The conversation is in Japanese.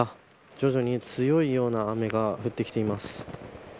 徐々に、強いような雨が降ってきています。